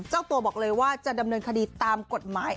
เจ้าตัวบอกเลยว่าจะดำเนินคดีตามกฎหมาย